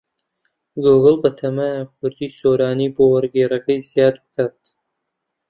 گووگڵ بەتەمایە کوردیی سۆرانی بۆ وەرگێڕەکەی زیاد بکات.